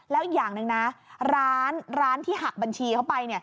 แล้วอีกอย่างหนึ่งนะร้านที่หักบัญชีเข้าไป